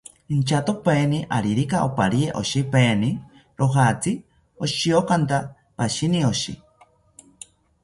Inchatopaeni aririka oparye oshipaeni, rojatzi oshokanta pashini oshi